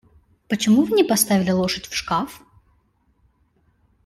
Почему Вы не поставили лошадь в шкаф?